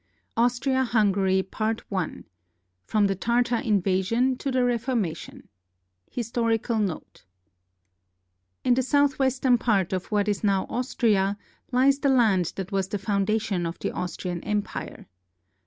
AUSTRIA HUNGARY I FROM THE TARTAR INVASION TO THE REFORMATION HISTORICAL NOTE In the southwestern part of what is now Austria lies the land that was the foundation of the Austrian Empire.